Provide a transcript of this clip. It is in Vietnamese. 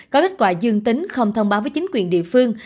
có kết quả dương tính không thông báo với chính quyền địa phương